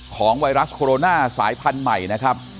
ไวรัสโคโรนาสายพันธุ์ใหม่นะครับ